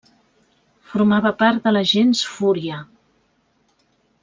Formava part de la gens Fúria.